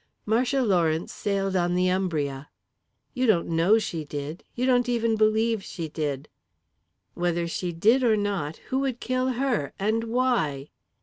"Marcia Lawrence sailed on the Umbria." "You don't know she did. You don't even believe she did." "Whether she did or not, who would kill her, and why?"